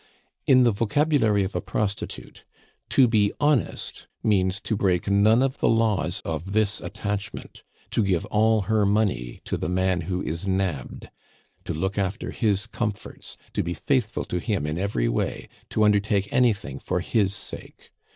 In the vocabulary of a prostitute, to be honest means to break none of the laws of this attachment, to give all her money to the man who is nabbed, to look after his comforts, to be faithful to him in every way, to undertake anything for his sake.